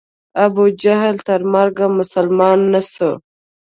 ابو جهل تر مرګه مسلمان نه سو.